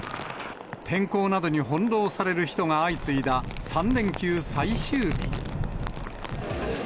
天候などに翻弄される人が相次いだ３連休最終日。